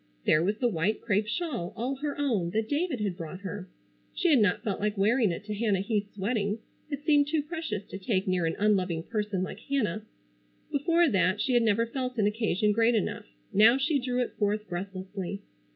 There was the white crêpe shawl, all her own, that David had brought her. She had not felt like wearing it to Hannah Heath's wedding, it seemed too precious to take near an unloving person like Hannah. Before that she had never felt an occasion great enough. Now she drew it forth breathlessly.